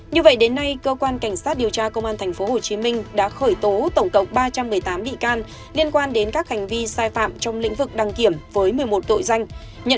như vậy đến nay cơ quan cảnh sát điều tra công an tp hcm đã khởi tố tổng cộng ba trăm một mươi tám bị can liên quan đến các hành vi sai phạm trong lĩnh vực đăng kiểm với một mươi một tội danh